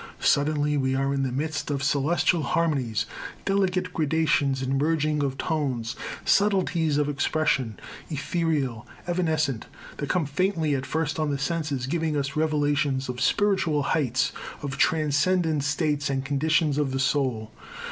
Suddenly we are in the midst of celestial harmonies, delicate gradations and mergings of tones, subtleties of expression, ethereal, evanescent, that come faintly at first on the senses, giving us revelations of spiritual heights, of transcendent states and conditions of the soul.